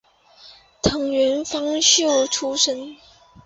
藤原芳秀出身。